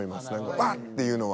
わあ！っていうのは。